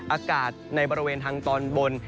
อากาศในบริเวณทางตอนบน